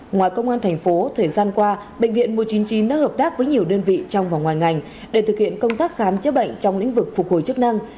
ngoài công an thành phố thời gian qua bệnh viện một trăm chín mươi chín đã hợp tác với nhiều đơn vị trong và ngoài ngành để thực hiện công tác khám chữa bệnh trong lĩnh vực phục hồi chức năng